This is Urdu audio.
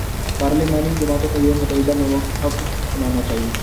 پارلیمانی جماعتوں کو یہ متحدہ موقف اپنانا چاہیے۔